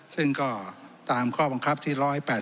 ซึ่งก็ตามข้อบังคับที่๑๘๘